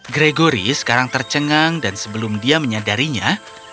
gregory sekarang tercengang dan sebelum dia menyadarinya